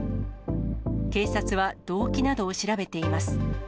警察は、動機などを調べています。